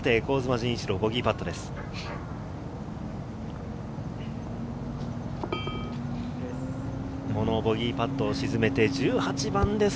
陣一朗、ボギーパットです。